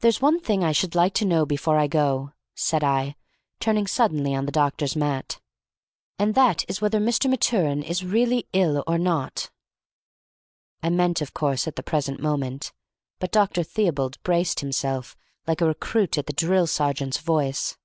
"There's one thing I should like to know before I go," said I, turning suddenly on the doctor's mat, "and that is whether Mr. Maturin is really ill or not!" I meant, of course, at the present moment, but Dr. Theobald braced himself like a recruit at the drill sergeant's voice.